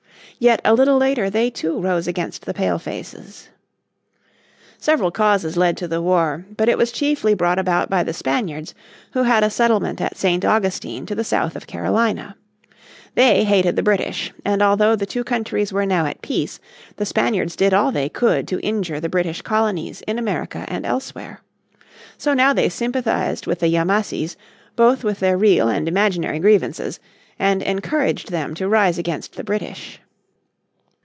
Yet a little later they too rose against the Pale faces. Several causes led to the war, but it was chiefly brought about by the Spaniards who had a settlement at St. Augustine to the south of Carolina. They hated the British, and although the two countries were now at peace the Spaniards did all they could to injure the British colonies in America and elsewhere. So now they sympathised with the Yamassees, both with their real and imaginary grievances, and encouraged them to rise against the British.